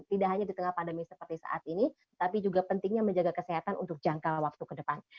tidak hanya di tengah pandemi seperti saat ini tapi juga pentingnya menjaga kesehatan untuk jangka waktu ke depan